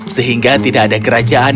sehingga tidak ada kerajaan